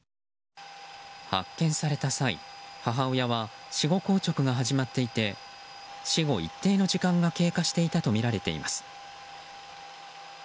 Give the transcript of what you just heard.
発見された際母親は死後硬直が始まっていて死後一定の時間が経過していたとみられています。